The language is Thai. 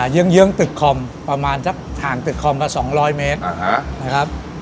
เยื้องตึกคอมประมาณสักห่างตึกคอมละ๒๐๐เมตรนะครับ